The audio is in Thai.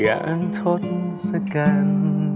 อยากทดสกัน